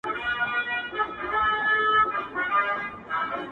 o سرگړي مي په غره کي بد ايسي، ته ئې راته په برېت شين کوې.